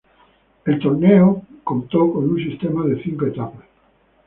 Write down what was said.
El torneo contó con un sistema de cinco etapas.